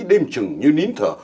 đêm trừng như nín thở